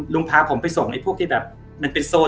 พาผมไปส่งไอ้พวกที่แบบมันเป็นโซน